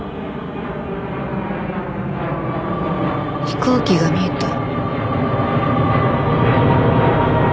飛行機が見えた。